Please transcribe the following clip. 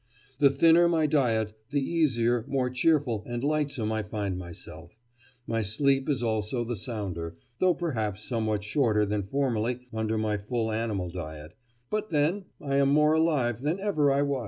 The thinner my diet, the easier, more cheerful and lightsome I find myself; my sleep is also the sounder, though perhaps somewhat shorter than formerly under my full animal diet; but, then, I am more alive than ever I was."